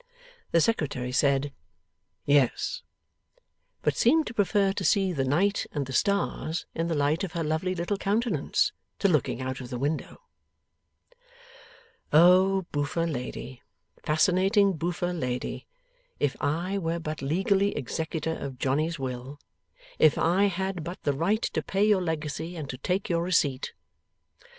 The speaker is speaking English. the Secretary said 'Yes,' but seemed to prefer to see the night and the stars in the light of her lovely little countenance, to looking out of window. O boofer lady, fascinating boofer lady! If I were but legally executor of Johnny's will! If I had but the right to pay your legacy and to take your receipt!